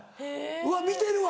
うわ見てるわ！